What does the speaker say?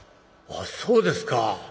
「あっそうですか。